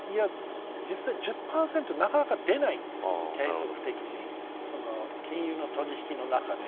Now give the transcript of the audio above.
実際１０％、なかなか出ないんですよ、継続的に金融の取引の中に。